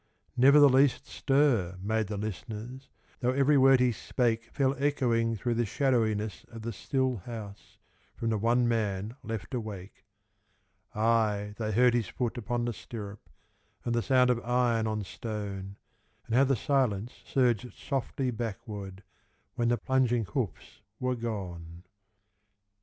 Never the least stir made the listeners, Though every word he spake Fell echoing through the shadowiness of the still house From the one man left awake: Ay, they heard his foot upon the stirrup, And the sound of iron on stone, And how the silence surged softly backward, When the plunging hoofs were gone.